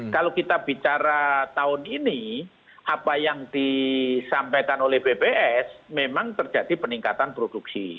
kalau kita bicara tahun ini apa yang disampaikan oleh bps memang terjadi peningkatan produksi